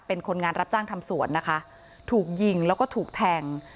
เป็นคนงานรับจ้างทำสวนนะคะถูกยิงแล้วก็ถูกแทง